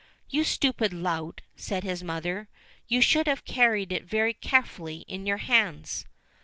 "You stupid lout," said his mother, "you should have carried it very carefully in your hands."